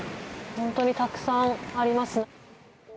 本当にたくさんあります。